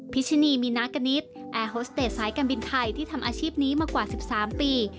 พิชินีมีนากณิตแอร์โฮสเตจสายการบินไทยที่ทำอาชีพนี้มากว่า๑๓ปี